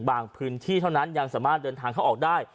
พื้นที่เท่านั้นยังสามารถเดินทางเข้าออกได้